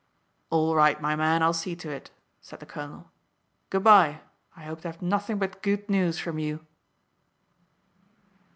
"All right, my man, I'll see to it," said the colonel. "Good bye; I hope to have nothing but good news from you."